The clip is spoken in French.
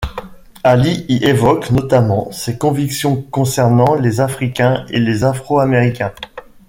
Ali y évoque notamment ses convictions concernant les Africains et les Afro-Américains.